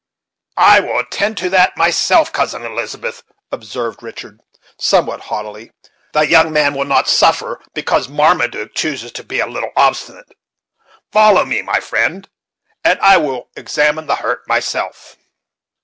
"I will attend to that myself, Cousin Elizabeth," observed Richard, somewhat haughtily. "The young man will not suffer because Marmaduke chooses to be a little obstinate. Follow me, my friend, and I will examine the hurt myself."